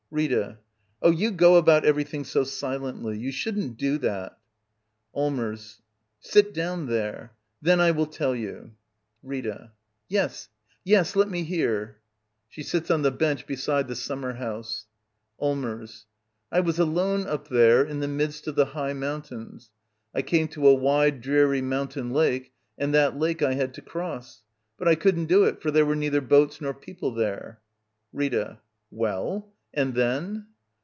' Rita. Oh, you go about everything so silently, ^ou shouldn't do that. Allmers. Sit down there. Then I will tell you. 102 Digitized by VjOOQIC Act in. <^ LITTLE EYOLF Rtta. Yes, yes — let me hear I [She sits on the bench beside the siumner house.] Allmbrs. I was alone up there, in the midst of the high mountains. I came to a wide, dreary moun tain lake, and that lake I had to cross. But I couldn't do it, for there were neither boats nor people there. Rita. Well? And then?